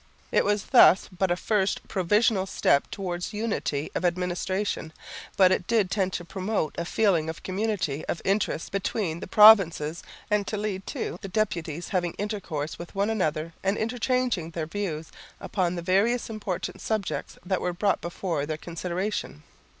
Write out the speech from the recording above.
It was thus but a first provisional step towards unity of administration, but it did tend to promote a feeling of community of interests between the provinces and to lead to the deputies having intercourse with one another and interchanging their views upon the various important subjects that were brought before their consideration.